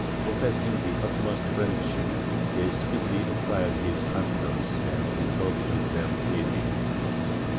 Professing the utmost friendship, they speedily acquired his confidence and he talked with them freely.